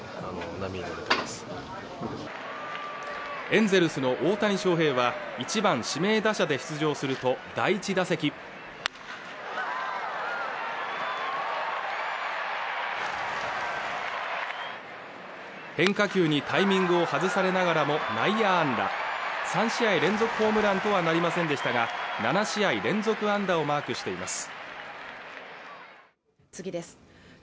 エンゼルスの大谷翔平は１番・指名打者で出場すると第１打席変化球にタイミングを外されながらも内野安打３試合連続ホームランとはなりませんでしたが７試合連続安打をマークしています